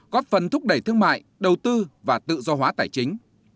góp phần thúc đẩy thương mại đầu tư và tự do hóa tài chính